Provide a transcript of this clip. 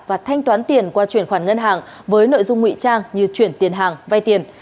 và thanh toán tiền qua chuyển khoản ngân hàng với nội dung nguy trang như chuyển tiền hàng vay tiền